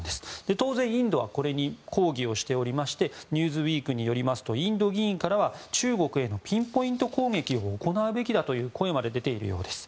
当然、インドはこれに抗議しておりまして「ニューズウィーク」によりますと、インド議員からは中国へのピンポイント攻撃を行うべきだという声まで出ているようです。